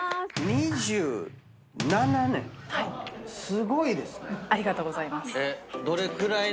すごいですね。